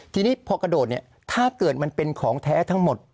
ทีนี้พอกระโดดเนี่ยถ้าเกิดมันเป็นของแท้ทั้งหมด